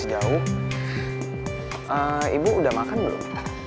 ibu udah makan belum